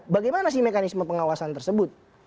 bagaimana sih mekanisme pengawasan tersebut